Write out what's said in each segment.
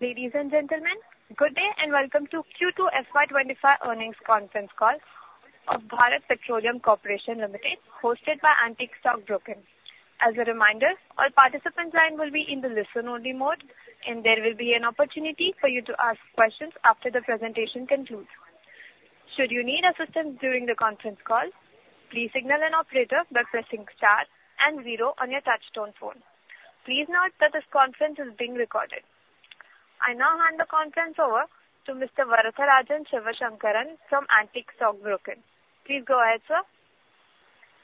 Ladies and gentlemen, good day, and welcome to Q2 FY 2025 Earnings Conference Call of Bharat Petroleum Corporation Limited, hosted by Antique Stock Broking. As a reminder, all participant lines will be in the listen-only mode, and there will be an opportunity for you to ask questions after the presentation concludes. Should you need assistance during the conference call, please signal an operator by pressing star and zero on your touchtone phone. Please note that this conference is being recorded. I now hand the conference over to Mr. Varatharajan Sivasankaran from Antique Stock Broking. Please go ahead, sir.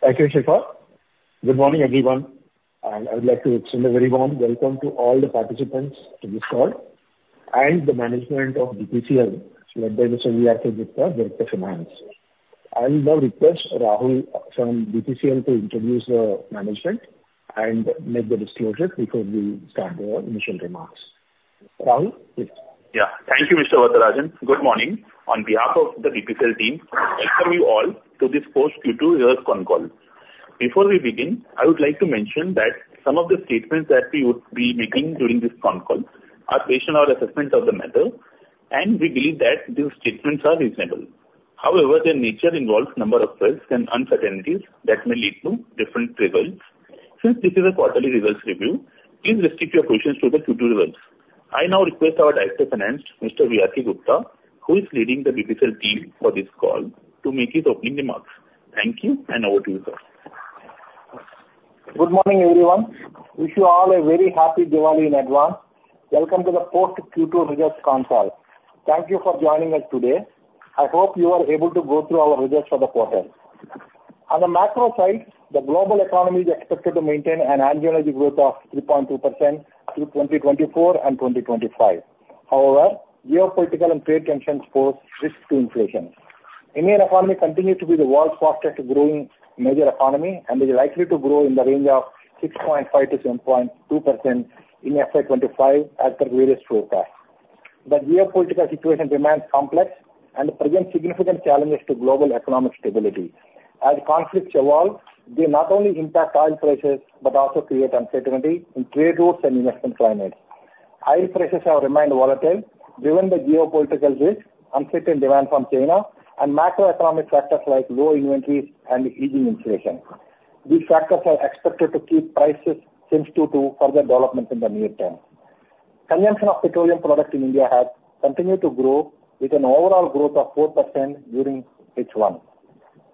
Thank you, Shifa. Good morning, everyone, and I would like to extend a very warm welcome to all the participants to this call and the management of BPCL, led by Mr. Vetsa Gupta, Director, Finance. I will now request Rahul from BPCL to introduce the management and make the disclosures before we start our initial remarks. Rahul, please. Thank you, Mr. Varatharajan. Good morning. On behalf of the BPCL team, welcome you all to this post Q2 Results Con Call. Before we begin, I would like to mention that some of the statements that we would be making during this con call are based on our assessment of the matter, and we believe that these statements are reasonable. However, their nature involves number of risks and uncertainties that may lead to different results. Since this is a quarterly results review, please restrict your questions to the future results. I now request our Director, Finance, Mr. Vetsa Gupta, who is leading the BPCL team for this call, to make his opening remarks. Thank you, and over to you, sir. Good morning, everyone. Wish you all a very happy Diwali in advance. Welcome to the fourth Q2 Results Con Call. Thank you for joining us today. I hope you are able to go through our results for the quarter. On the macro side, the global economy is expected to maintain an annual growth of 3.2% through 2024 and 2025. However, geopolitical and trade tensions pose risks to inflation. Indian economy continues to be the world's fastest-growing major economy and is likely to maintain an annual growth of 3.2% through 2024 and 2025. However, geopolitical and trade tensions pose risks to inflation. Indian economy continues to be the world's fastest growing major economy, and is likely to grow in the range of 6.5%-7.2% in FY 2025, as per various forecasts. The geopolitical situation remains complex and presents significant challenges to global economic stability. As conflicts evolve, they not only impact oil prices, but also create uncertainty in trade routes and investment climate. Oil prices have remained volatile given the geopolitical risk, uncertain demand from China, and macroeconomic factors like low inventories and easing inflation. These factors are expected to keep prices sensitive to further developments in the near term. Consumption of petroleum products in India has continued to grow with an overall growth of 4% during H1.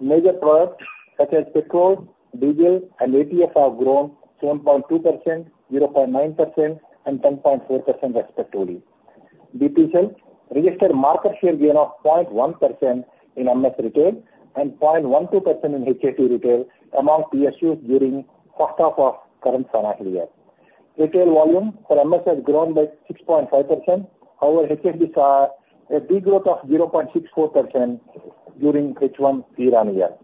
Major products such as petrol, diesel, and LPG have grown 7.2%, 0.9%, and 10.4% respectively. BPCL registered market share gain of 0.1% in MS retail and 0.12% in HSD retail amongst PSUs during first half of current financial year. Retail volume for MS has grown by 6.5%, however, HSD saw a degrowth of 0.64% during H1 FY24.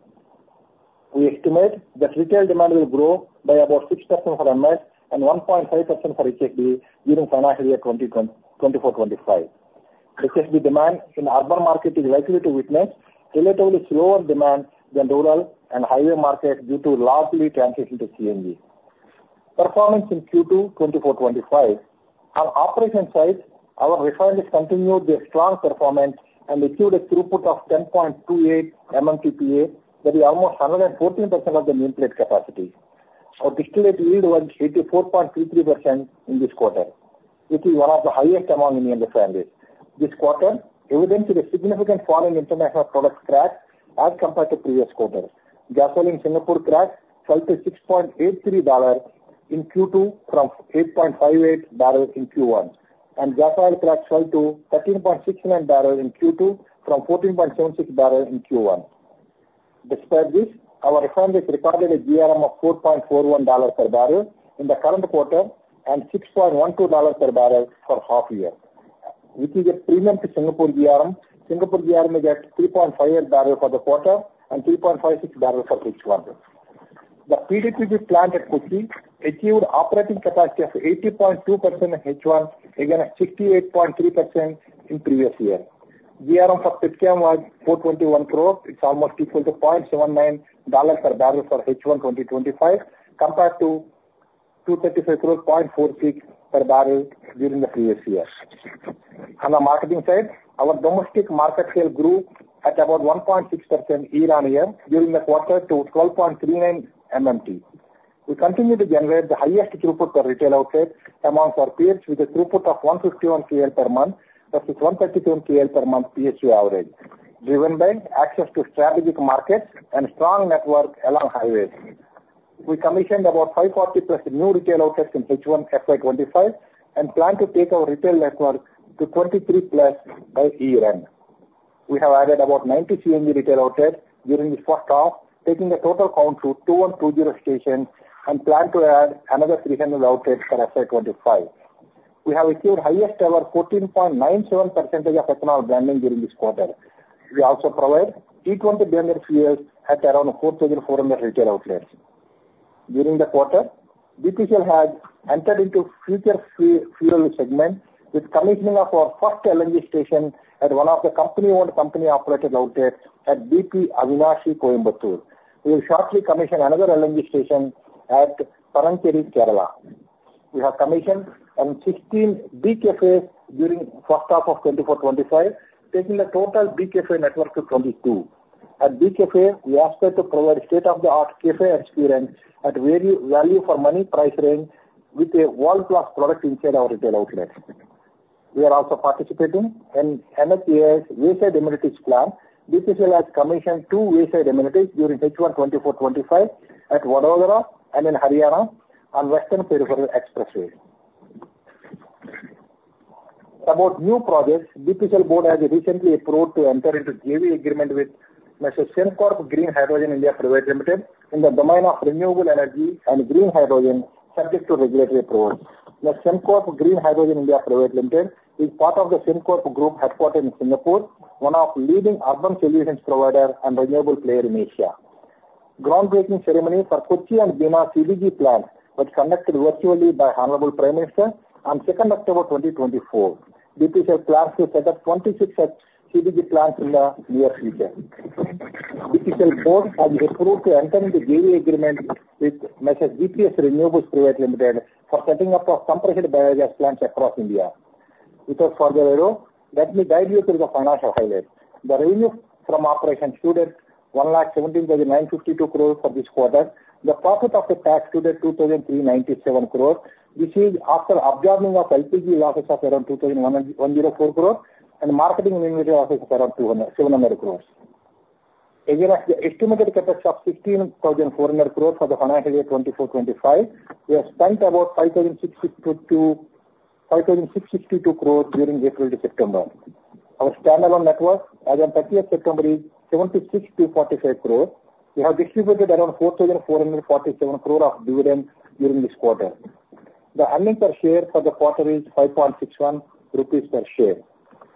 We estimate that retail demand will grow by about 6% for MS and 1.5% for HSD during financial year 2024-25. HSD demand in the urban market is likely to witness relatively slower demand than rural and highway markets due to largely transition to CNG. Performance in Q2 2024-25. On operation side, our refineries continued their strong performance and achieved a throughput of 10.28 MMTPA. That is almost 114% of the nameplate capacity. Our distillate yield was 84.33% in this quarter, which is one of the highest among Indian refineries. This quarter evidenced a significant fall in international products crack as compared to previous quarters. Gasoline Singapore crack fell to $6.83 in Q2 from $8.58 in Q1, and gas oil crack fell to $13.69 in Q2 from $14.76 in Q1. Despite this, our refineries recorded a GRM of $4.41 per barrel in the current quarter and $6.12 per barrel for half year, which is a premium to Singapore GRM. Singapore GRM is at $3.58 per barrel for the quarter and $3.56 per barrel for H1. The PDPP plant at Kochi achieved operating capacity of 80.2% in H1, against 68.3% in previous year. GRM for Petchem was 421 crores. It's almost equal to $0.79 per barrel for H1 2025, compared to 235 crore, $0.46 per barrel during the previous year. On the marketing side, our domestic market share grew at about 1.6% year-on-year during the quarter to 12.39 MMT. We continue to generate the highest throughput per retail outlet amongst our peers, with a throughput of 151 KL per month versus 132 KL per month PSU average, driven by access to strategic markets and strong network along highways. We commissioned about 540+ new retail outlets in H1 FY 2025, and plan to take our retail network to 23+ by year-end. We have added about 90 CNG retail outlets during the first half, taking the total count to 2120 stations, and plan to add another 300 outlets for FY 2025. We have achieved highest ever 14.97% of ethanol blending during this quarter. We also provide E20 blended fuels at around 4400 retail outlets. During the quarter, BPCL has entered into future fuel segment with commissioning of our first LNG station at one of the company-owned, company-operated outlets at BP Avinashi, Coimbatore. We will shortly commission another LNG station at Paravoor, Kerala. We have commissioned 16 BeCafes during first half of 2024-25, taking the total BeCafe network to 22. At BeCafe, we aspire to provide state-of-the-art cafe experience at very value-for-money price range, with a world-class product inside our retail outlets. We are also participating in NHAI's wayside amenities plan. BPCL has commissioned two wayside amenities during H1 2024-25, at Vadodara and in Haryana on Western Peripheral Expressway. About new projects, BPCL board has recently approved to enter into JV agreement with M/s Sembcorp Green Hydrogen India Private Limited, in the domain of renewable energy and green hydrogen, subject to regulatory approval. M/s Sembcorp Green Hydrogen India Private Limited is part of the Sembcorp Group headquartered in Singapore, one of leading urban solutions provider and renewable player in Asia. Groundbreaking ceremony for Kochi and Bina CBG plant was conducted virtually by Honorable Prime Minister on 2 October 2024. BPCL plans to set up 26 such CBG plants in the near future. BPCL board has approved to enter into JV agreement with M/s GPS Renewables Private Limited, for setting up of compressed biogas plants across India. Without further ado, let me guide you through the financial highlights. The revenue from operations stood at one lakh seventeen thousand nine hundred fifty-two crores for this quarter. The profit after tax stood at two thousand three hundred ninety-seven crores, which is after absorbing LPG losses of around two thousand one hundred and four crores, and marketing losses of around two hundred seventy crores. Against the estimated CapEx of sixteen thousand four hundred crores for the financial year 2024, 2025, we have spent about five thousand six hundred sixty-two crores during April to September. Our standalone net worth as on thirtieth September is seventy-six thousand four hundred forty-five crores. We have distributed around four thousand four hundred and forty-seven crores of dividend during this quarter. The earnings per share for the quarter is five point six one rupees per share.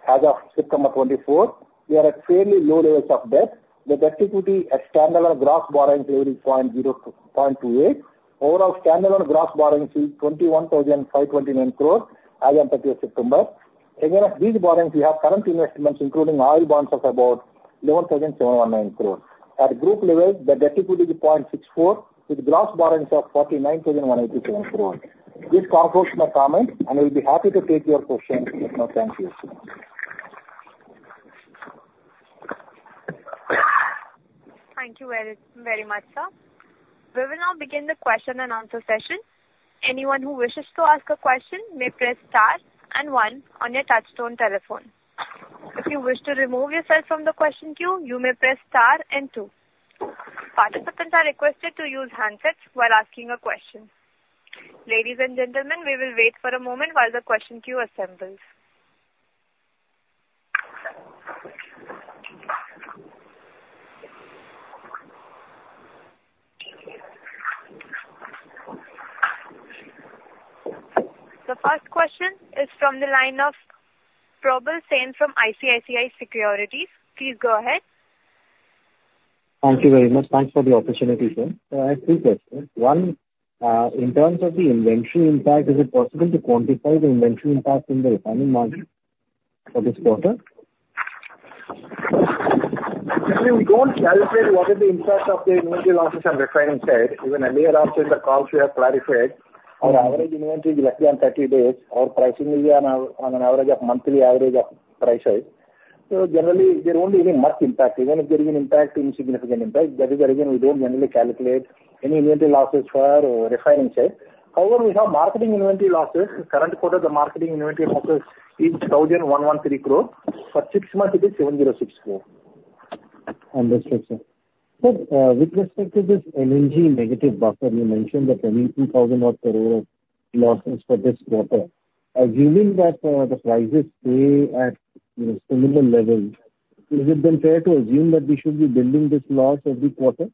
As of September 2024, we are at fairly low levels of debt. The debt equity at standalone gross borrowing level is 0.28. Overall standalone gross borrowings is INR 21,529 crores as on thirtieth September. Against these borrowings, we have current investments, including oil bonds, of about 11,719 crores. At group level, the debt equity is 0.64, with gross borrowings of 49,187 crores. This concludes my comments, and I will be happy to take your questions. Thank you. Thank you very, very much, sir. We will now begin the question and answer session. Anyone who wishes to ask a question may press star and one on your touchtone telephone. If you wish to remove yourself from the question queue, you may press star and two. Participants are requested to use handsets while asking a question. Ladies and gentlemen, we will wait for a moment while the question queue assembles. The first question is from the line of Probal Sen, from ICICI Securities. Please go ahead. Thank you very much. Thanks for the opportunity, sir. So I have two questions. One, in terms of the inventory impact, is it possible to quantify the inventory impact in the refining margin for this quarter? Actually, we don't calculate what is the impact of the inventory losses on refining side. Even earlier also in the calls, we have clarified. Our average inventory is less than 30 days. Our pricing will be on an average of monthly average of prices. So generally, there won't be any much impact. Even if there is an impact, insignificant impact, that is the reason we don't generally calculate any inventory losses for refining side. However, we have marketing inventory losses. In current quarter, the marketing inventory losses is 1,113 crore. For six months, it is 706 crore. Understood, sir. So, with respect to this LNG negative buffer, you mentioned that 22,000-odd crore losses for this quarter. Assuming that, the prices stay at similar levels, is it then fair to assume that we should be building this loss every quarter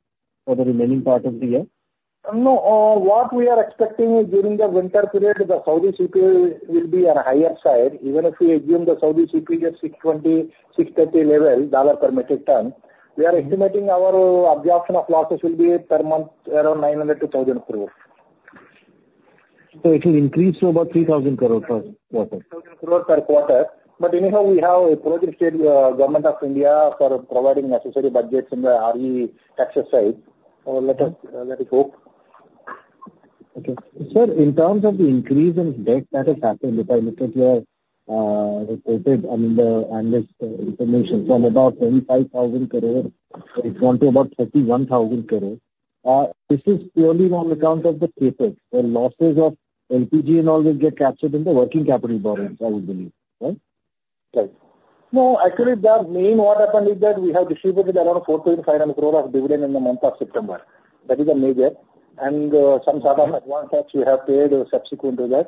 for the remaining part of the year? No, what we are expecting is during the winter period, the Saudi CP will be on a higher side, even if we assume the Saudi CP is $620-$630 level per metric ton, we are estimating our absorption of losses will be per month around 900-1,000 crore. So it will increase to about 3,000 crore per quarter? 3,000 crore per quarter. But anyhow, we have approached the Government of India for providing necessary budgets in the RE exercise. Let us hope. Sir, in terms of the increase in debt that has happened, if I look at your reported, I mean, the analyst information from about 25,000 crore, it's gone to about 31,000 crore, this is purely on account of the CapEx, the losses of LPG and all will get captured in the working capital borrowings, I would believe. Right? Right. No, actually, the main what happened is that we have distributed around 450 crore of dividend in the month of September. That is the major. And, some sort of advance cash we have paid subsequent to that.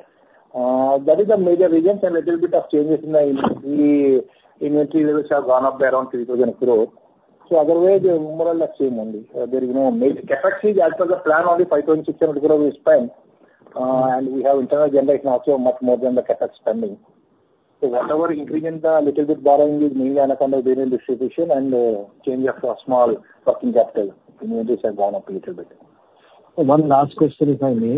That is the major reason and a little bit of changes in the inventory, inventory levels have gone up by around INR 3,000 crore. So otherwise, they're more or less same only. There is no major CapEx. It is as per the plan, only INR 560 crore is spent. And we have internal generation also, much more than the CapEx spending. So whatever increase in the little bit borrowing is mainly on account of dividend distribution and, change of small working capital, inventories have gone up a little bit. One last question, if I may.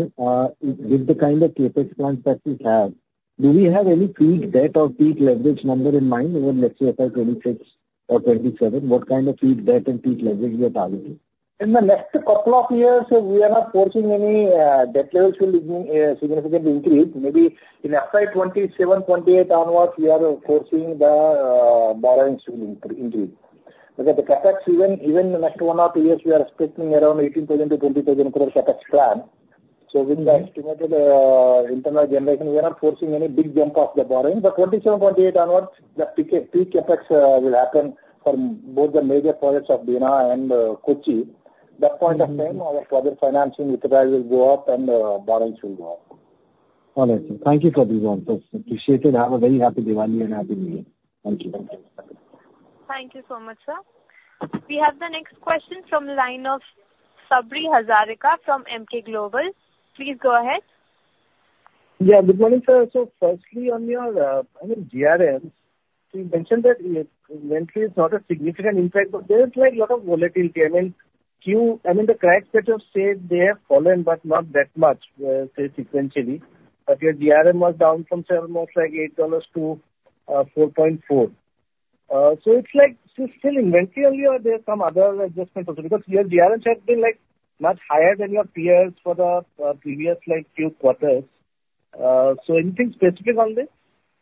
With the kind of CapEx plans that we have, do we have any peak debt or peak leverage number in mind over, let's say, FY 2026 or 2027? What kind of peak debt and peak leverage we are targeting? ...In the next couple of years, we are not forcing any debt levels will be significantly increase. Maybe in FY 2027, 2028 onwards, we are forcing the borrowings to increase. But the CapEx the next one or two years, we are expecting around 18,000-20,000 crore CapEx plan. So within the estimated internal generation, we are not forcing any big jump of the borrowing. But 2027, 2028 onwards, the peak CapEx will happen for both the major projects of Bina and Kochi. That point of time, our project financing requirement will go up and borrowings will go up. All right, sir. Thank you. Appreciate it. Have a very Happy Diwali and Happy New Year. Thank you. Thank you so much, sir. We have the next question from the line of Sabri Hazarika from Emkay Global. Please go ahead. Good morning, sir. So firstly, on your, I mean, GRMs, you mentioned that inventory is not a significant impact, but there is like a lot of volatility. I mean, the crack spreads have said they have fallen, but not that much, say, sequentially, but your GRM was down from $7, almost like $8 to $4.4. So it's like, so still inventory or are there some other adjustments also? Because your GRMs have been, like, much higher than your peers for the, previous, like, few quarters. So anything specific on this?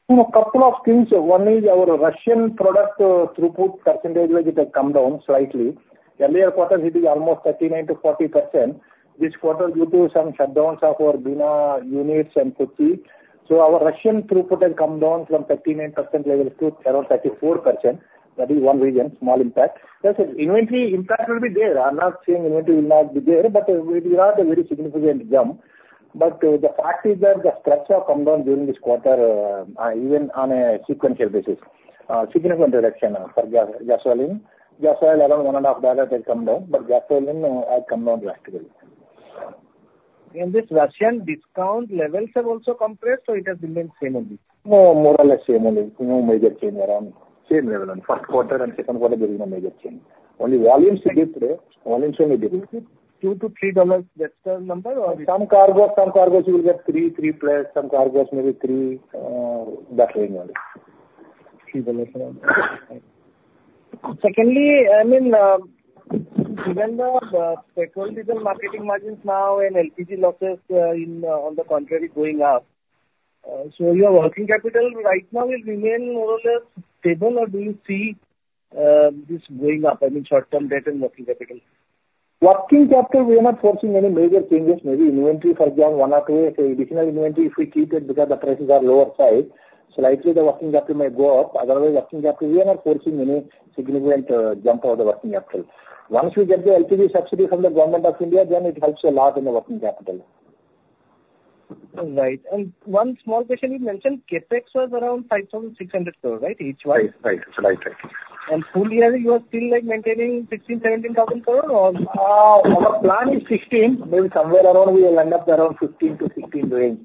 No, a couple of things. One is our Russian product throughput percentage, like, it has come down slightly. Earlier quarters, it is almost 39%-40%. This quarter, due to some shutdowns of our Bina units and Kochi. So our Russian throughput has come down from 39% level to around 34%. That is one reason, small impact. There's an inventory impact will be there. I'm not saying inventory will not be there, but it is not a very significant jump. But, the fact is that the spreads have come down during this quarter, even on a sequential basis. Significant reduction for gas, gasoline. Gasoline, around $1.5 has come down, but gasoline has come down drastically. This Russian discount levels have also come down, so it has remained same only? No, more or less same only. No major change around. Same level on first quarter and second quarter. There is no major change. Only volumes different. Volumes only different. $2-$3, that's the number or? Some cargoes, some cargoes you will get 3, 3+, some cargos maybe three that range only. $3. Secondly, I mean, given the petrol diesel marketing margins now and LPG losses, on the contrary, going up, so your working capital right now will remain more or less stable or do you see this going up, I mean, short-term debt and working capital? Working capital, we are not forcing any major changes. Maybe inventory, for example, one or two, say, additional inventory if we keep it because the prices are lower side, slightly the working capital may go up. Otherwise, working capital, we are not forcing any significant jump of the working capital. Once we get the LPG subsidy from the government of India, then it helps a lot in the working capital. Right. And one small question, you mentioned CapEx was around 5,600 crore, right? Each one. Right. Full year, you are still, like, maintaining 16,000-17,000 crore or? Our plan is 16. Maybe somewhere around we will end up around 15-16 range.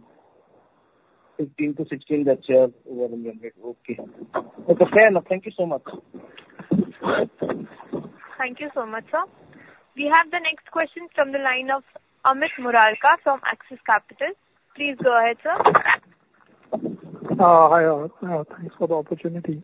Fifteen to sixteen, that's your overall budget. Fair enough. Thank you so much. Thank you so much, sir. We have the next question from the line of Amit Murarka from Axis Capital. Please go ahead, sir. Hi, thanks for the opportunity.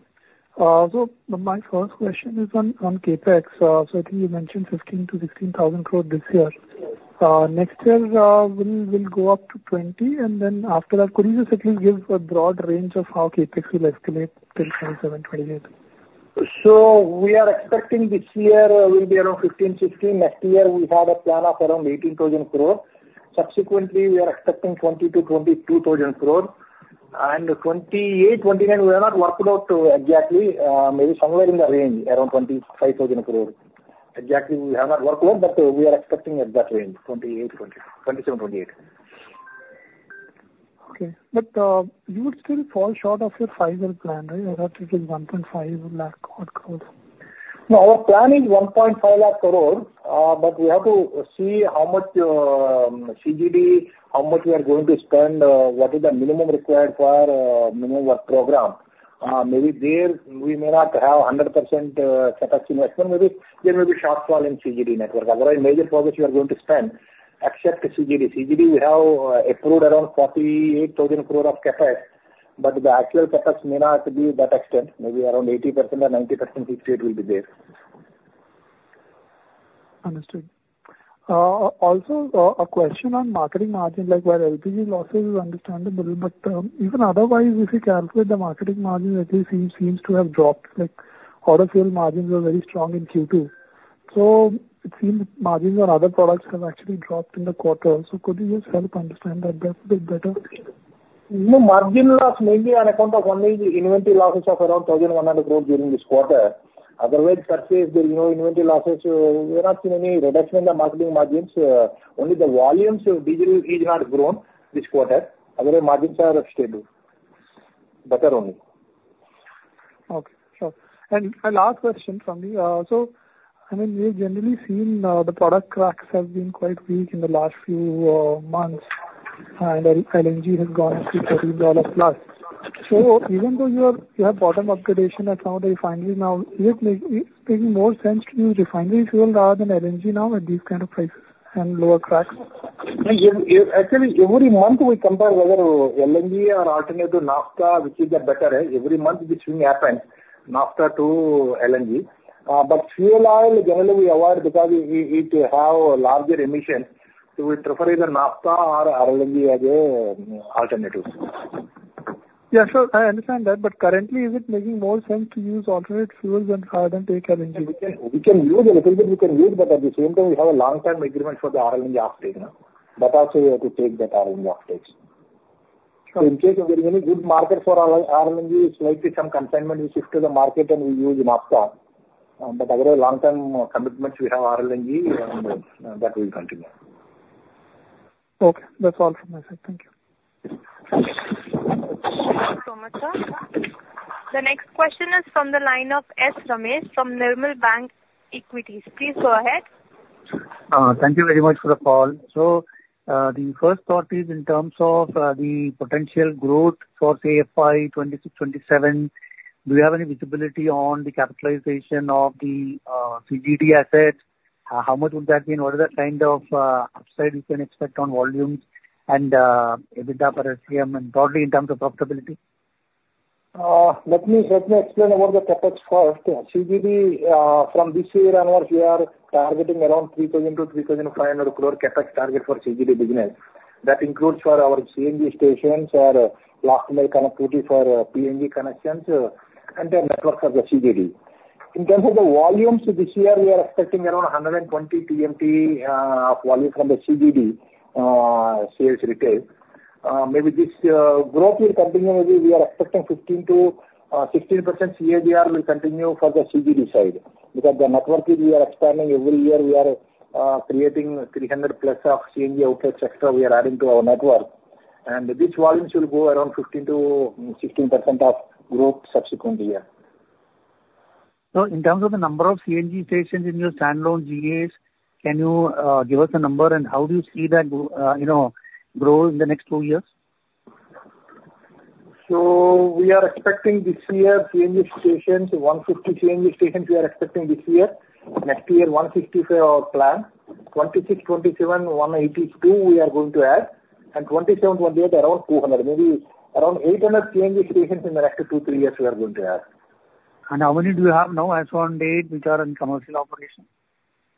So my first question is on CapEx. So I think you mentioned 15,000-16,000 crore this year. Yes. Next year will go up to 20, and then after that, could you just at least give a broad range of how CapEx will escalate till 2027, 2028? So we are expecting this year will be around 15-16. Next year, we have a plan of around 18 thousand crore. Subsequently, we are expecting 20-22 thousand crore. And 28, 29, we have not worked out exactly, maybe somewhere in the range, around 25 thousand crore. Exactly, we have not worked out, but, we are expecting at that range, 28, 27, 28. You would still fall short of your five-year plan, right? I thought it was one point five lakh or crore. No, our plan is one point five lakh crore, but we have to see how much CGD, how much we are going to spend, what is the minimum required for minimum work program. Maybe there, we may not have 100% CapEx investment. Maybe there may be shortfall in CGD network. Otherwise, major projects we are going to spend, except CGD. CGD, we have approved around forty-eight thousand crore of CapEx, but the actual CapEx may not be that extent, maybe around 80% or 90% CapEx will be there. Understood. Also, a question on marketing margins, like, where LPG losses is understandable, but even otherwise, if you calculate the marketing margins, actually seems to have dropped, like, auto sales margins were very strong in Q2. So it seems margins on other products have actually dropped in the quarter. So could you just help understand that a bit better? No, margin loss mainly on account of only the inventory losses of around 1,100 crore during this quarter. Otherwise, that is, there is no inventory losses. We're not seeing any reduction in the marketing margins, only the volumes of diesel is not grown this quarter. Otherwise, margins are stable. Better only. And a last question from me. So, I mean, we've generally seen the product cracks have been quite weak in the last few months, and LNG has gone to $30+. So even though you have bottom upgradation at some of the refinery now, is it making more sense to use refinery fuel rather than LNG now at these kind of prices and lower cracks? No, actually, every month we compare whether LNG or alternative naphtha, which is the better. Every month this thing happens, naphtha to LNG. But fuel oil, generally we avoid, because it have larger emission, so we prefer either naphtha or LNG as a alternative. I understand that, but currently, is it making more sense to use alternative fuels than carbon take LNG? We can use a little bit, but at the same time, we have a long-term agreement for the LNG offtake, no? That also we have to take that LNG offtakes. So in case of any good market for LNG, slightly some consignment we shift to the market, and we use naphtha. But otherwise, long-term commitments we have LNG, and that will continue. That's all from my side. Thank you. Thank you so much, sir. The next question is from the line of S. Ramesh from Nirmal Bang Equities. Please go ahead. Thank you very much for the call. So, the first part is in terms of the potential growth for, say, FY 2026, 2027. Do you have any visibility on the capitalization of the CGD assets? How much would that be, and what is the kind of upside we can expect on volumes and EBITDA per SCM, and broadly in terms of profitability? Let me explain about the CapEx first. CGD from this year onwards, we are targeting around 3,000-3,500 crore CapEx target for CGD business. That includes for our CNG stations, our last-mile connectivity for PNG connections, and the networks of the CGD. In terms of the volumes, this year, we are expecting around 120 TMT volume from the CGD sales retail. Maybe this growth will continue. Maybe we are expecting 15%-16% CAGR will continue for the CGD side, because the network we are expanding every year, we are creating 300+ of CNG outlets extra we are adding to our network. These volumes will grow around 15%-16% of growth subsequent year. In terms of the number of CNG stations in your standalone GAs, can you give us a number, and how do you see that you know grow in the next two years? We are expecting 150 CNG stations this year. Next year, 160 is our plan. 2026, 2027, 182 we are going to add, and 2027, 2028, around 200. Maybe around 800 CNG stations in the next two, three years we are going to add. How many do you have now as on date, which are in commercial operation?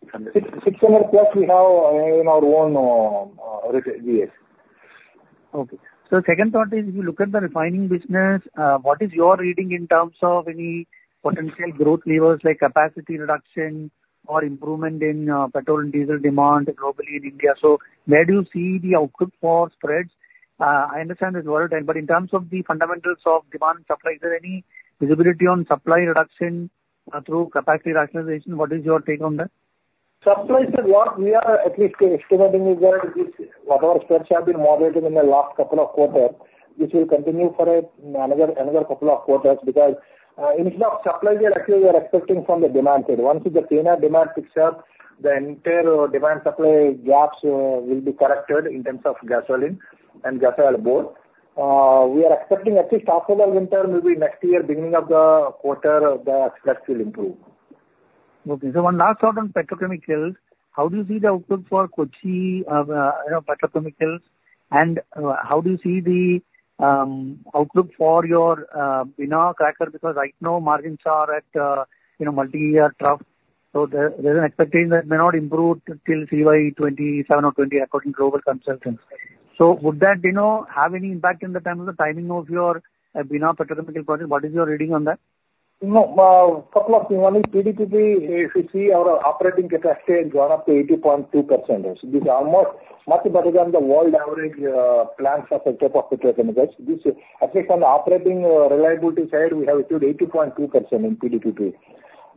600+ we have in our own retail GAs. Second part is, if you look at the refining business, what is your reading in terms of any potential growth levers, like capacity reduction or improvement in petrol and diesel demand globally in India? So where do you see the outlook for spreads? I understand it's volatile, but in terms of the fundamentals of demand and supply, is there any visibility on supply reduction through capacity rationalization? What is your take on that? Supply side what we are at least estimating is that this, whatever spreads have been moderated in the last couple of quarters, this will continue for another couple of quarters. Because in case of supply chain, actually we are expecting from the demand side. Once the cleaner demand picks up, the entire demand supply gaps will be corrected in terms of gasoline and diesel both. We are expecting at least after the winter, maybe next year, beginning of the quarter, the spreads will improve. One last thought on petrochemicals. How do you see the outlook for Kochi petrochemicals? And, how do you see the, outlook for your, Bina cracker? Because right now, margins are at multi-year trough, so there's an expectation that may not improve till CY 2027 or 2028, according to global consultants. So would that have any impact in the term of the timing of your, Bina petrochemical project? What is your reading on that? No, couple of things. One is PDPP, if you see our operating capacity has gone up to 80.2%. This is almost nothing but again, the world average, plants for petrochemical, this at least on the operating, reliability side, we have achieved 80.2% in PDPP.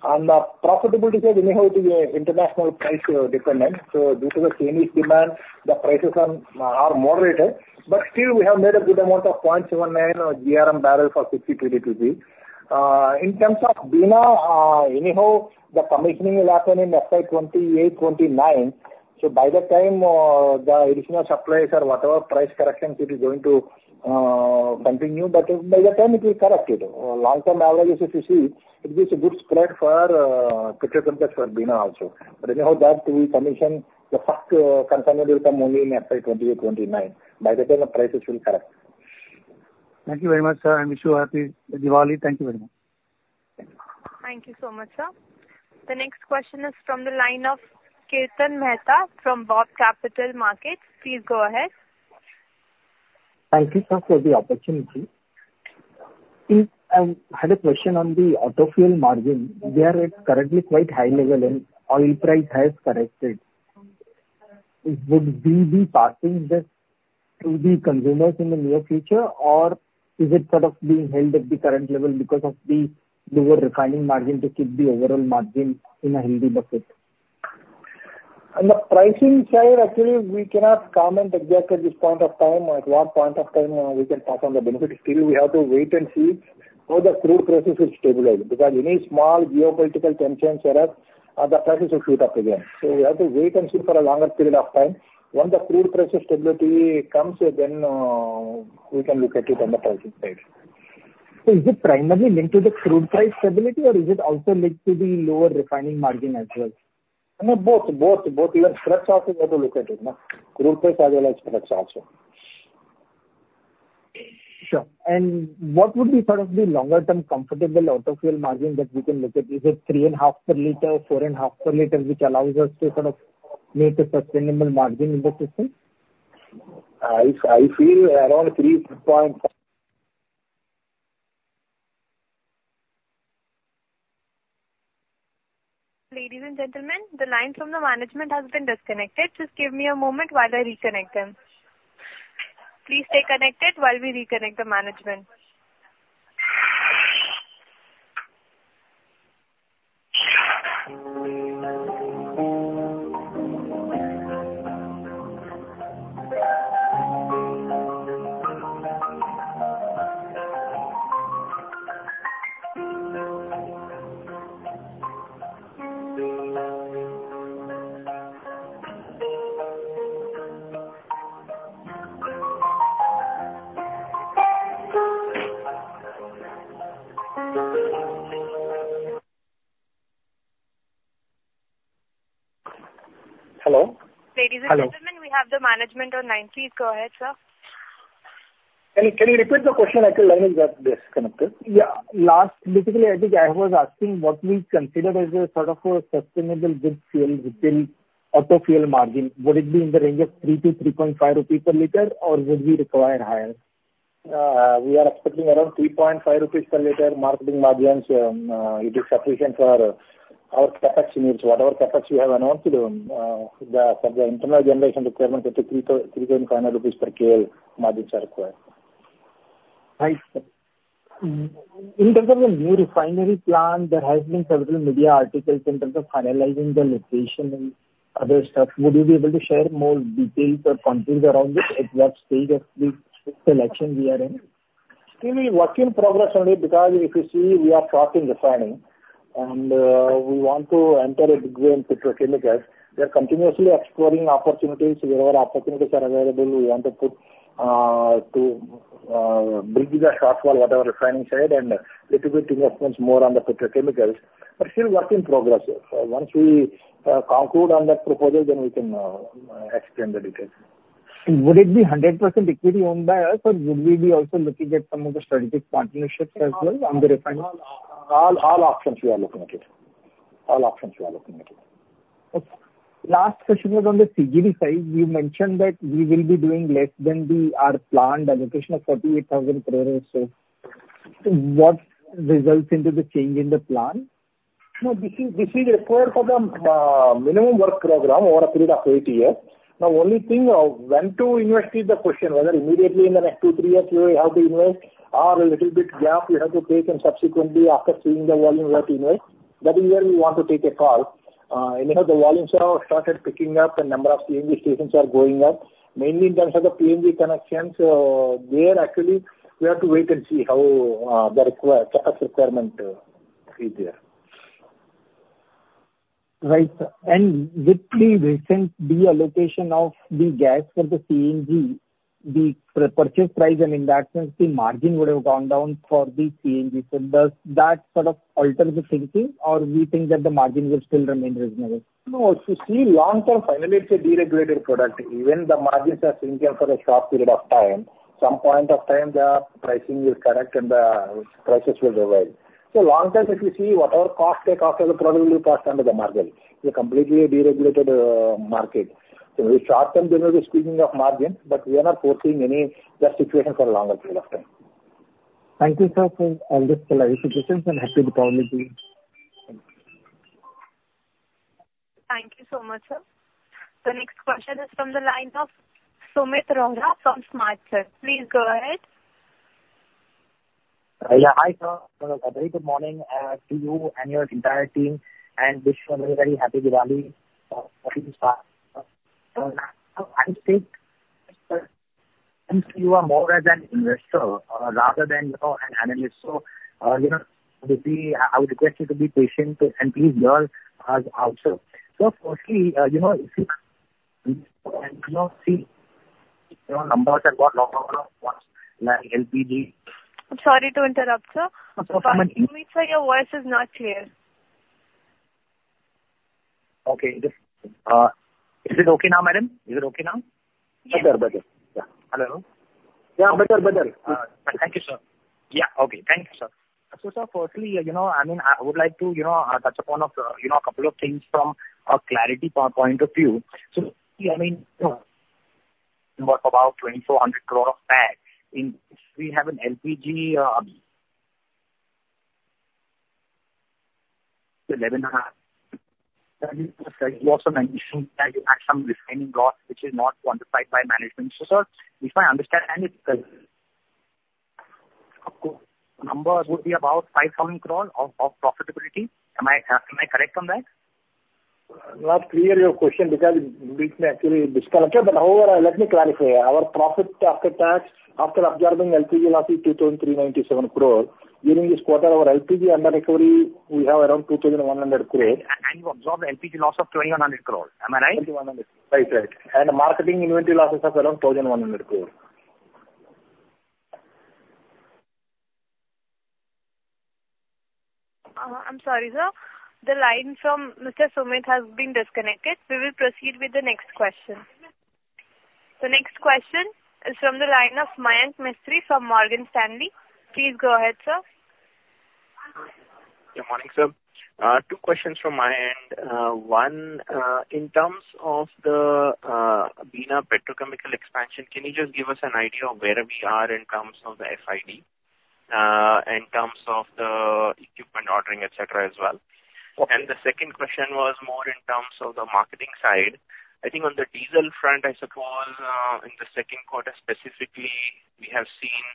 On the profitability side, anyhow, it is international price, dependent. So due to the Chinese demand, the prices on, are moderated, but still we have made a good amount of 0.79, GRM barrel for PDPP. In terms of Bina, anyhow, the commissioning will happen in FY 2028-2029. So by that time, the additional supplies or whatever price corrections, it is going to, continue, but by that time it will correct it. Long-term analysis, if you see, it is a good spread for, petrochemical for Bina also. But anyhow, that we commission the first consignment will come only in FY 2028, 2029. By that time, the prices will correct. Thank you very much, sir. I wish you a Happy Diwali. Thank you very much. Thank you so much, sir. The next question is from the line of Kirtan Mehta from BOB Capital Markets. Please go ahead. Thank you, sir, for the opportunity. I had a question on the auto fuel margin. They are currently at quite high level, and oil price has corrected. Would we be passing this to the consumers in the near future, or is it sort of being held at the current level because of the lower refining margin to keep the overall margin in a healthy bucket? On the pricing side, actually, we cannot comment exactly at this point of time, at what point of time we can pass on the benefit. Still, we have to wait and see how the crude prices will stabilize, because any small geopolitical tensions or else, the prices will shoot up again. We have to wait and see for a longer period of time. Once the crude price stability comes, then we can look at it on the pricing side.... So is it primarily linked to the crude price stability, or is it also linked to the lower refining margin as well? No, both. You have also to look at it, no? Crude price as well as also. Sure. And what would be sort of the longer-term comfortable auto fuel margin that we can look at? Is it three and a half per liter, four and a half per liter, which allows us to sort of meet a sustainable margin in the system? I feel around three point- Ladies and gentlemen, the line from the management has been disconnected. Just give me a moment while I reconnect them. Please stay connected while we reconnect the management. Hello? Hello. Ladies and gentlemen, we have the management on line. Please go ahead, sir. Can you repeat the question? I think line was disconnected. Basically, I think I was asking what we consider as a sort of a sustainable good fuel within auto fuel margin. Would it be in the range of 3-3.5 rupees per liter, or would we require higher? We are expecting around 3.5 rupees per liter marketing margins. It is sufficient for our needs. Whatever capacity we have announced, for the internal generation requirement, up to INR 3.5 per KL margin required. Right. In terms of the new refinery plan, there has been several media articles in terms of finalizing the location and other stuff. Would you be able to share more details or comments around it? At what stage of the selection we are in? Still work in progress only because if you see, we are short in refining, and we want to enter a big way into petrochemicals. We are continuously exploring opportunities. Wherever opportunities are available, we want to put to bridge the shortfall, whatever refining side, and little bit investments more on the petrochemicals, but still work in progress. So once we conclude on that proposal, then we can explain the details. Would it be 100% equity owned by us, or would we be also looking at some of the strategic partnerships as well on the refinery? All options we are looking at it. Last question was on the CGD side. You mentioned that we will be doing less than our planned allocation of 48,000 crores. So what results into the change in the plan? No, this is, this is required for the minimum work program over a period of eight years. Now, only thing, when to invest is the question, whether immediately in the next two, three years we have to invest or a little bit gap we have to take and subsequently, after seeing the volume, we have to invest. That is where we want to take a call. The volumes have started picking up, and number of CNG stations are going up. Mainly in terms of the CNG connections, there actually we have to wait and see how the required capacity requirement is there. Right. And with the recent deallocation of the gas for the CNG, the purchase price and in that sense, the margin would have gone down for the CNG. So does that sort of alter the thinking or we think that the margin will still remain reasonable? No, if you see long term, finally, it's a deregulated product. Even the margins are thinner for a short period of time, some point of time, the pricing is correct and, prices will revise. So long term, if you see whatever cost take off, it will probably pass under the margin. It's a completely deregulated market. In the short term, there may be squeezing of margin, but we are not foreseeing any bad situation for a longer period of time. Thank you, sir, for all this clarifications, and Happy Diwali to you. Thank you so much, sir. The next question is from the line of Sumeet Rohra from Smartsun. Please go ahead. Hi, sir. Very good morning to you and your entire team, and wish you a very happy Diwali. You are more as an investor, rather than an analyst. So to see. I would request you to be patient and please hear us out, sir. So firstly, numbers have gone up, like LPG- I'm sorry to interrupt, sir. Sumeet sir, your voice is not clear. Just... Is it okay now, madam? Is it okay now? Yes. Thank you, sir. Firstly, I would like to touch upon a couple of things from a clarity point of view. About 2,400 crore of impact in the LPG headwinds. You also mentioned that you had some refining loss, which is not quantified by management. So, sir, if I understand it, the numbers would be about 5,000 crore of profitability. Am I correct on that? Not clear your question, because we actually disconnected. But however, let me clarify. Our profit after tax, after observing LPG losses, 2,397 crore. During this quarter, our LPG underrecovery we have around 2,100 crore. You observe the LPG loss of 2,100 crore. Am I right? 2,100. Right, right. And the marketing inventory losses of around 1,100 crore.... I'm sorry, sir. The line from Mr. Sumeet has been disconnected. We will proceed with the next question. The next question is from the line of Mayank Maheshwari from Morgan Stanley. Please go ahead, sir. Good morning, sir. Two questions from my end. One, in terms of the Bina Petrochemical expansion, can you just give us an idea of where we are in terms of the FID, in terms of the equipment ordering, et cetera, as well? And the second question was more in terms of the marketing side. I think on the diesel front, I suppose, in the second quarter specifically, we have seen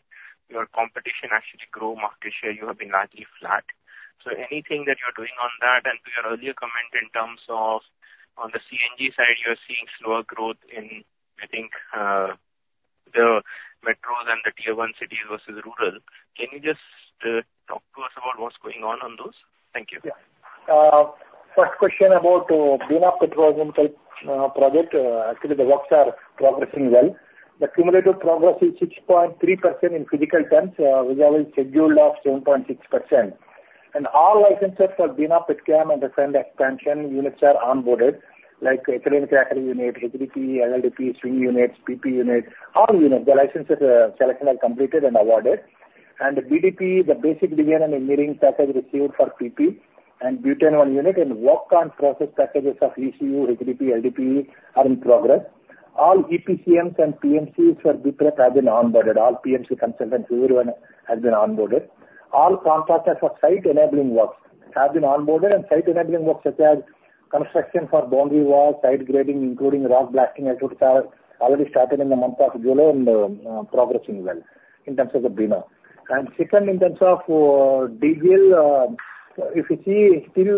your competition actually grow market share. You have been largely flat. So anything that you're doing on that, and to your earlier comment, in terms of on the CNG side, you're seeing slower growth in, I think, the metros and the Tier One cities versus rural. Can you just, talk to us about what's going on on those? Thank you. First question about Bina Petrochemical project. Actually, the works are progressing well. The cumulative progress is 6.3% in physical terms, with a schedule of 7.6%. And all licenses for Bina Petchem and the current expansion units are onboarded, like units, HDPE, LDPE, swing units, PP units, all units. The licensor selection are completed and awarded. And BEP, the basic engineering package received for PP, and Butene-1 unit, and work on process packages of ECU, HDPE, LDPE are in progress. All EPCMs and PMCs for BPCL have been onboarded. All PMC consultants, everyone has been onboarded. All contractors for site enabling works have been onboarded, and site enabling works, such as construction for boundary walls, site grading, including rock blasting, have to start, already started in the month of July and, progressing well in terms of the Bina. Second, in terms of detail, if you see still,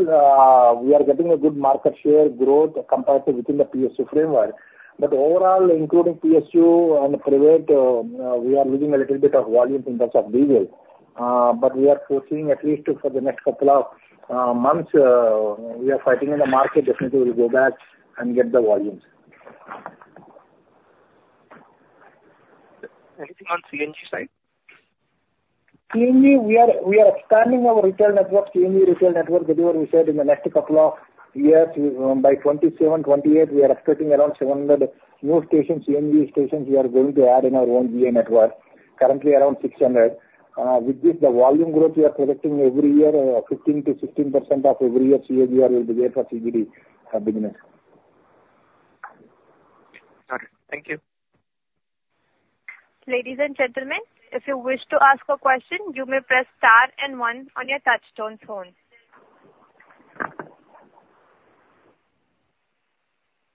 we are getting a good market share growth comparative within the PSU framework. But overall, including PSU and private, we are losing a little bit of volume in terms of diesel. But we are pushing at least for the next couple of months, we are fighting in the market, definitely we'll go back and get the volumes. Anything on CNG side? CNG, we are expanding our retail network, CNG retail network. Earlier we said in the next couple of years, by 2027, 2028, we are expecting around 700 new stations, CNG stations, we are going to add in our own BP network, currently around 600. With this, the volume growth we are predicting every year, 15% to 16% every year CNG will be there for CGD at beginning. Thank you. Ladies and gentlemen, if you wish to ask a question, you may press star and one on your touchtone phone.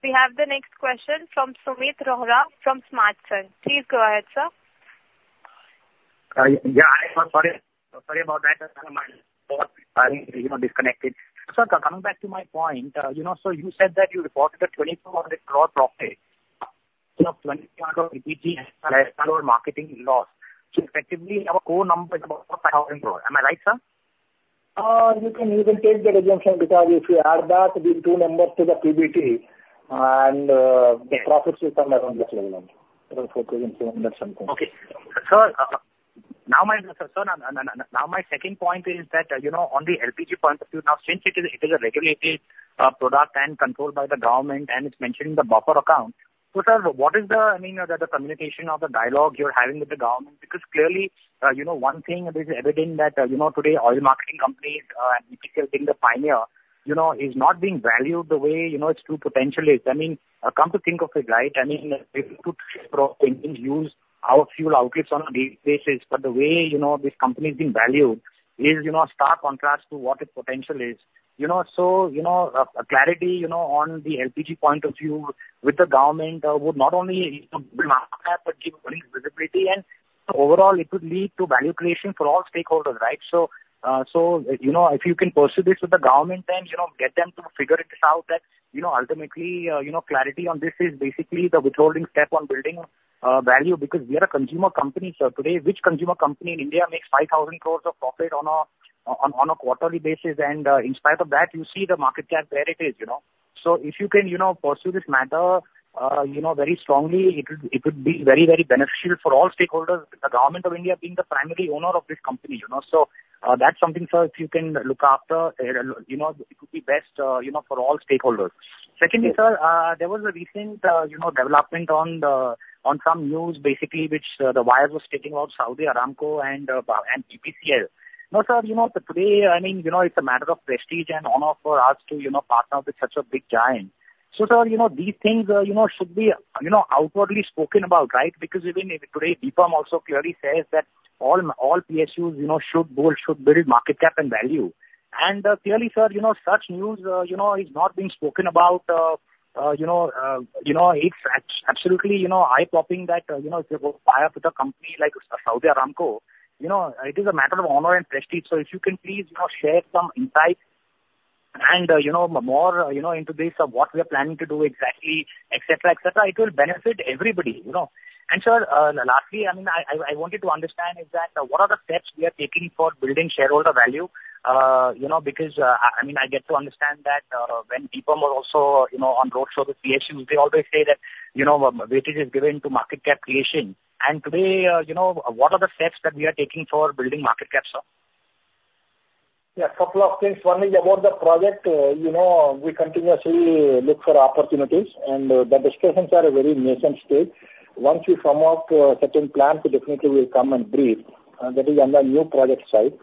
We have the next question from Sumeet Rohra, from Smartsun. Please go ahead, sir. I'm sorry, sorry about that. My call disconnected. Sir, coming back to my point so you said that you reported a 2,400 crore profit 2,400 LPG and petrol marketing loss. So effectively, our core number is about 5,000 crore. Am I right, sir? You can, you can take that assumption, because if you add that, these two numbers to the PBT, and the profits will come around this level, around four point seven, something. Sir, now my second point is that on the LPG point of view, now, since it is a regulated product and controlled by the government, and it's mentioned in the buffer account, so, sir, what is the, I mean, the communication or the dialogue you're having with the government? Because clearly one thing is everything that today, oil marketing companies and BPCL being the pioneer, is not being valued the way its true potential is. I mean, come to think of it, right? I mean, it could use our fuel outlets on a daily basis, but the way this company is being valued is a stark contrast to what its potential is. Clarity on the LPG point of view with the government, would not only build market cap, but give visibility, and overall it would lead to value creation for all stakeholders, right? If you can pursue this with the governmen,t get them to figure this out, that ultimately clarity on this is basically the withholding step on building value, because we are a consumer company, sir. Today, which consumer company in India makes 5,000 crores of profit on a quarterly basis? And, in spite of that, you see the market cap where it is. So if you can pursue this matter very strongly, it would be very, very beneficial for all stakeholders, with the Government of India being the primary owner of this company. So, that's something, sir, if you can look after it could be best for all stakeholders. Secondly, sir, there was a recent development on some news basically, which The Wire was talking about Saudi Aramco and BPCL. Now, sir today, it's a matter of prestige and honor for us to partner with such a big giant. So, sir these things should be outwardly spoken about, right? Because even today, BPCL also clearly says that all PSUs should build market cap and value. And clearly, sir such news is not being spoken about it's absolutely eye-popping that tie up with a company like Saudi Aramco it is a matter of honor and prestige. So if you can please share some insight and more into this, of what we are planning to do exactly, et cetera, et cetera, it will benefit everybody? And sir, lastly, I mean, I wanted to understand is that, what are the steps we are taking for building shareholder value? Because I mean, I get to understand that when people are also on roadshow with PSC, they always say that weightage is given to market cap creation. And today what are the steps that we are taking for building market cap, sir? A couple of things. One is about the project. We continuously look for opportunities, and the discussions are at a very nascent stage. Once we come out with a certain plan, definitely we'll come and brief, that is on the new project side.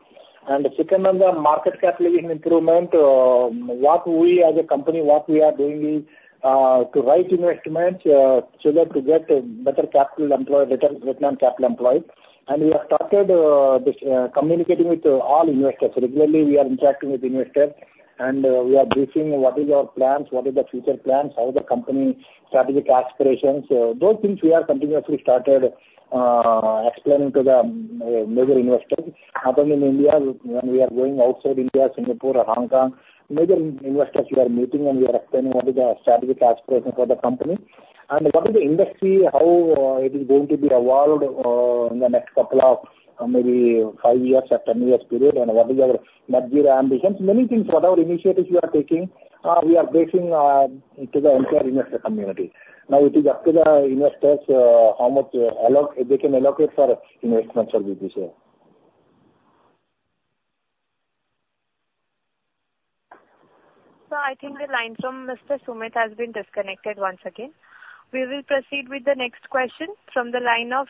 And the second on the market capital improvement, what we as a company, what we are doing is, to raise investments, so that to get a better capital employed, return on capital employed. And we have started, this, communicating with all investors. Regularly, we are interacting with investors, and, we are briefing what is our plans, what is the future plans, how the company strategic aspirations. Those things we have continuously started explaining to the major investors, not only in India, when we are going outside India, Singapore, Hong Kong, major investors we are meeting and we are explaining what is our strategic aspiration for the company. What is the industry, how it is going to be evolved in the next couple of maybe five years or 10 years period, and what is our major ambitions. Many things, what are our initiatives we are taking, we are briefing to the entire investor community. Now it is up to the investors how much they can allocate for investment for this year. I think the line from Mr. Sumeet has been disconnected once again. We will proceed with the next question from the line of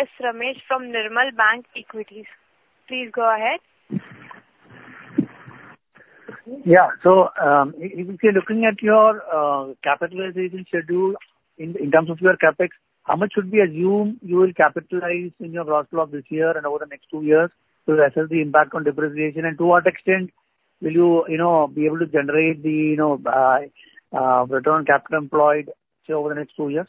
S. Ramesh from Nirmal Bang Equities. Please go ahead. If you're looking at your capitalization schedule in terms of your CapEx, how much should we assume you will capitalize in your first half of this year and over the next two years to assess the impact on depreciation? And to what extent will you be able to generate the return on capital employed, say, over the next two years?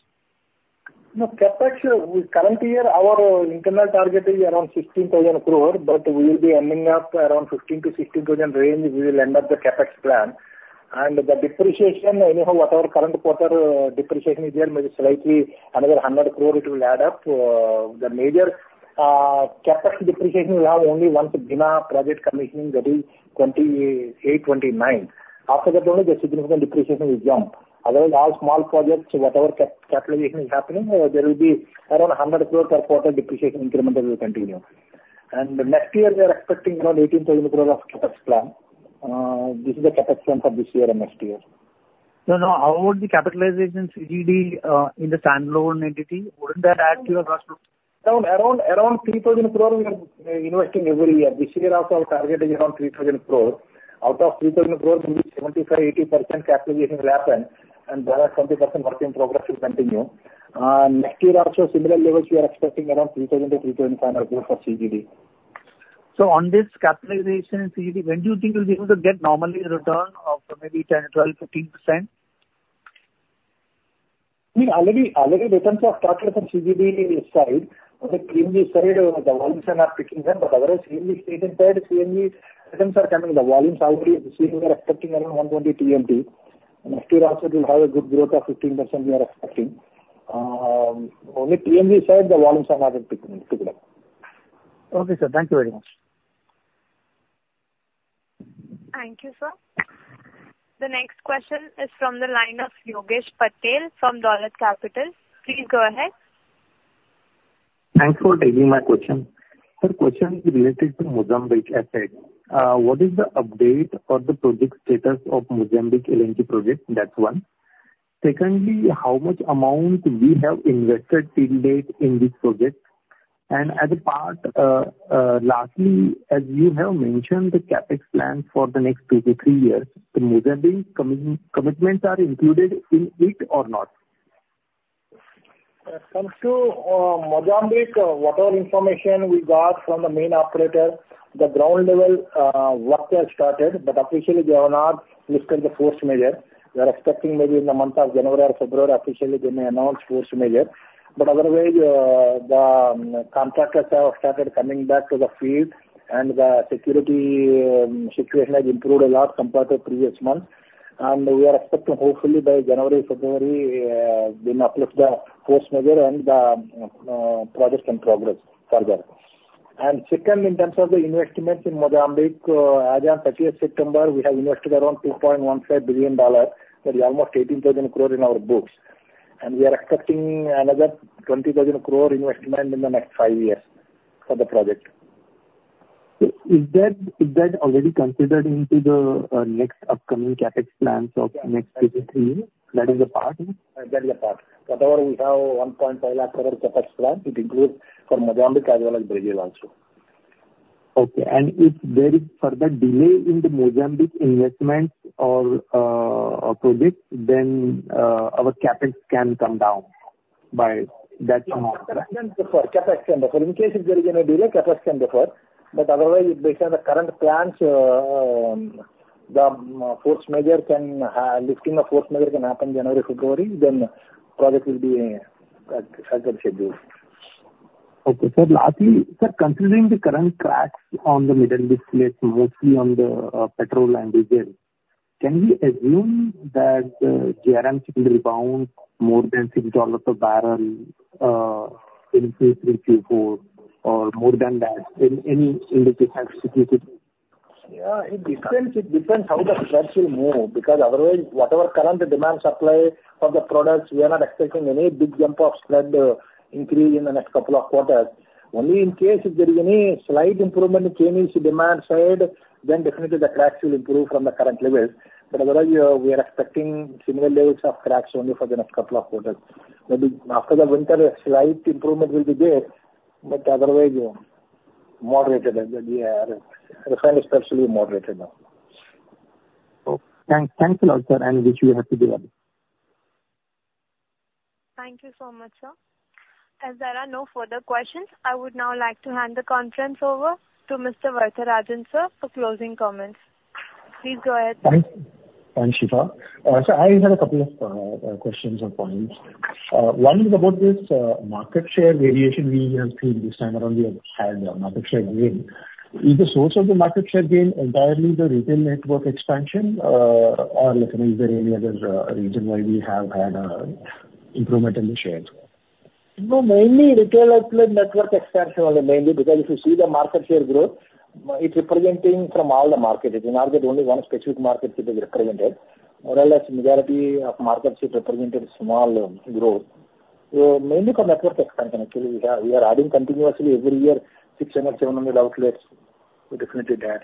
No, CapEx. We currently are. Our internal target is around 16,000 crore, but we will be ending up around 15,000-16,000 range. We will end up the CapEx plan. The depreciation, anyhow, whatever current quarter depreciation is there, maybe slightly another 100 crore it will add up. The major CapEx depreciation will have only once Bina project commissioning, that is 2028, 2029. After that only, the significant depreciation will jump. Otherwise, all small projects, whatever capitalization is happening, there will be around 100 crore per quarter depreciation incremental will continue. Next year, we are expecting around 18,000 crore of CapEx plan. This is the CapEx plan for this year and next year. No, no. How would the capitalization CGD in the standalone entity, wouldn't that add to your cost? Around 3,000 crore we are investing every year. This year also, our target is around 3,000 crore. Out of 3,000 crore, maybe 75%-80% capitalization will happen, and the other 20% work in progress will continue. Next year also, similar levels, we are expecting around 3,000 to 3,500 for CGD. On this capitalization CGD, when do you think you'll be able to get normally return of maybe 10, 12, 15%? We already returns have started from CGD side. On the PNG side, the volumes are not picking up, but otherwise, PNG returns are coming. The volumes already this year, we are expecting around 120 TMT. Next year also, it will have a good growth of 15% we are expecting. Only PNG side, the volumes have not been picked up. Okay, sir. Thank you very much. Thank you, sir. The next question is from the line of Yogesh Patil from Dolat Capital. Please go ahead. Thanks for taking my question. Sir, question is related to Mozambique asset. What is the update or the project status of Mozambique LNG project? That's one. Secondly, how much amount we have invested till date in this project? And as a part, lastly, as you have mentioned the CapEx plans for the next two to three years, the Mozambique commitments are included in it or not? When it comes to Mozambique, whatever information we got from the main operator, the ground level work has started, but officially they have not lifted the force majeure. We are expecting maybe in the month of January or February, officially they may announce force majeure. But otherwise, the contractors have started coming back to the field, and the security situation has improved a lot compared to previous months. We are expecting hopefully by January, February, they may uplift the force majeure and the project can progress further. Second, in terms of the investments in Mozambique, as on 30th September, we have invested around $2.15 billion. That is almost 18,000 crore in our books. We are expecting another 20,000 crore investment in the next five years for the project. Is that, is that already considered into the next upcoming CapEx plans of the next 2-3 years? That is a part? That is a part. Whatever we have, 1.5 lakh crore CapEx plan, it includes for Mozambique as well as Brazil also. And if there is further delay in the Mozambique investment or project, then our CapEx can come down by that amount? CapEx can defer. In case if there is any delay, CapEx can defer. But otherwise, based on the current plans, the lifting of Force Majeure can happen January, February, then project will be as per schedule. Lastly, sir, considering the current cracks on the middle distillate, mostly on the petrol and diesel, can we assume that GRMs will rebound more than $6 a barrel in Q3, Q4, or more than that in the next quarter? It depends. It depends how the spreads will move, because otherwise, whatever current demand supply of the products, we are not expecting any big jump of spread, increase in the next couple of quarters. Only in case if there is any slight improvement in chemical demand side, then definitely the cracks will improve from the current levels. But otherwise, we are expecting similar levels of cracks only for the next couple of quarters. Maybe after the winter, a slight improvement will be there, but otherwise moderated refined especially moderated now. Oh, thanks. Thanks a lot, sir, and I wish you Happy Diwali. Thank you so much, sir. As there are no further questions, I would now like to hand the conference over to Mr. Varadarajan, sir, for closing comments. Please go ahead. Thanks. Thanks, Shifa. So I have a couple of questions or points. One is about this market share variation we have seen this time around, we have had a market share gain. Is the source of the market share gain entirely the retail network expansion, or like is there any other reason why we have had improvement in the shares? No, mainly retail outlet network expansion only, mainly because if you see the market share growth, it's representing from all the market. It's not that only one specific market it is represented. Otherwise, majority of market share represented small growth. So mainly for network expansion, actually, we are adding continuously every year, six hundred, seven hundred outlets, so definitely that.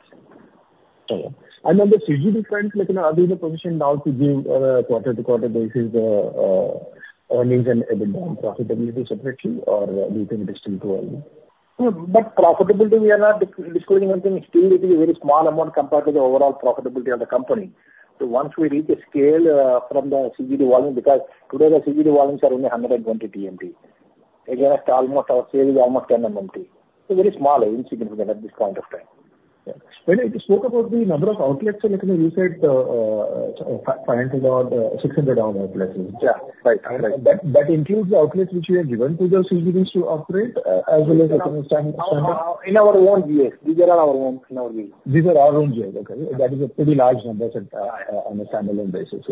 On the CGD front, like, are we in a position now to give quarter-to-quarter basis earnings and profitability separately, or do you think it is still growing? No, but profitability, we are not disclosing anything. Still, it is a very small amount compared to the overall profitability of the company. So once we reach the scale, from the CGD volume, because today the CGD volumes are only 120 TMT. Again, almost our sale is almost 10 MMT. So very small, insignificant at this point of time. When you spoke about the number of outlets, so like you said, five hundred or six hundred on outlets. That includes the outlets which we have given to the CBGs to operate, as well as- In our own years. These are our own in our years. These are our own years. That is a pretty large number on a standalone basis.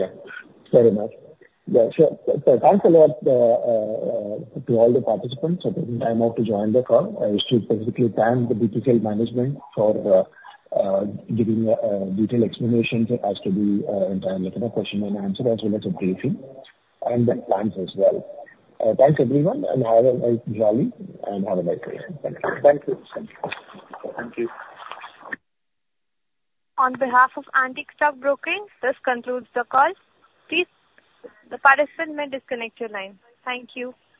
Very much. Sure. So thanks a lot to all the participants for taking time out to join the call. I wish to specifically thank the BPCL management for giving detailed explanations as to the entire question and answer as well as briefing and the plans as well. Thanks everyone, and have a nice holiday and have a nice day. Thank you. Thank you. On behalf of Antique Stock Broking, this concludes the call. Please, the participant may disconnect your line. Thank you.